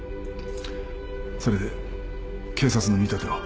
それで警察の見立ては？